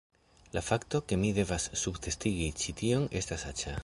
La fakto, ke mi devas subtekstigi ĉi tion, estas aĉa...